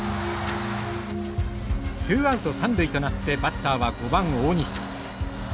ツーアウト三塁となってバッターは５番大西。